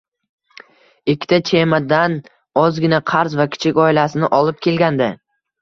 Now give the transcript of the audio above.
Ikkita chemadan, ozgina qarz va kichik oilasini olib kelgandi.